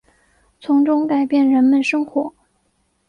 从中改变人们生活